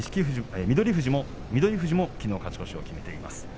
翠富士も、きのう勝ち越しを決めています。